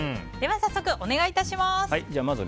早速、お願い致します。